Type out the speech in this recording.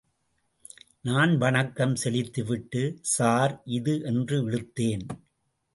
நான் வணக்கம் செலுத்திவிட்டு, சார் இது... என்று இழுத்தேன்.